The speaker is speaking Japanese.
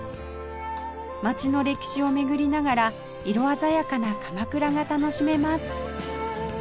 街の歴史を巡りながら色鮮やかな鎌倉が楽しめます